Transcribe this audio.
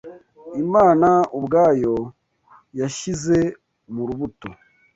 Imana ubwayo yashyize mu rubuto